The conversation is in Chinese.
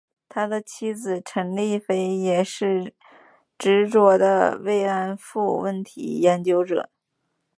他的妻子陈丽菲也是执着的慰安妇问题研究者。